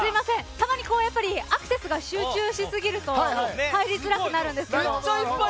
たまにアクセスが集中しすぎると入りづらくなるんです。